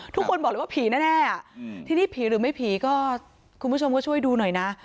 ทุกคนบอกเลยว่าผีแน่ทีนี้ผีหรือไม่ผีก็คุณผู้ชมก็ช่วยดูหน่อยนะ